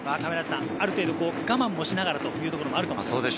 ある程度、我慢もしながらというところはあるかもしれません。